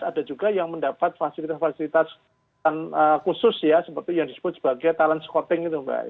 ada juga yang mendapat fasilitas fasilitas khusus seperti yang disebut sebagai talent scouting